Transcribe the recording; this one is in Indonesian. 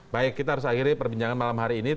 baik kita harus akhiri perbincangan malam hari ini